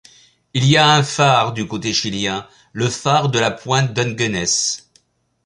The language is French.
Il y a un phare du côté chilien, le phare de la pointe Dungeness.